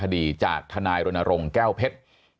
มีความรู้สึกว่า